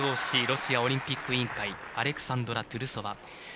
ＲＯＣ＝ロシアオリンピック委員会アレクサンドラ・トゥルソワ。